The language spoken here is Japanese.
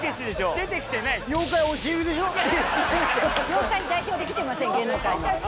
妖怪代表で来てません芸能界の。